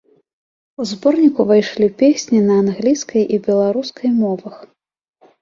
У зборнік увайшлі песні на англійскай і беларускай мовах.